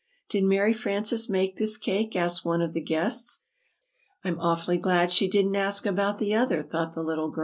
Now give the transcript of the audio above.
"Did Mary Frances make this cake?" asked one of the guests. ("I'm awfully glad she didn't ask about the other," thought the little girl.)